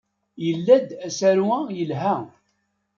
Yella-d usaru-a yelha.